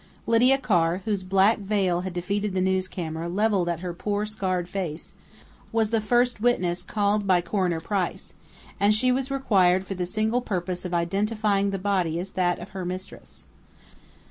Lydia Carr, whose black veil had defeated the news camera levelled at her poor scarred face, was the first witness called by Coroner Price, and she was required for the single purpose of identifying the body as that of her mistress.